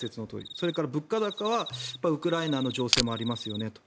それから物価高はウクライナの情勢もありますよねと。